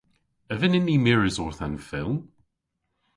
A vynnyn ni mires orth an fylm?